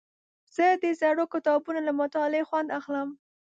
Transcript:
زه د زړو کتابونو له مطالعې خوند اخلم.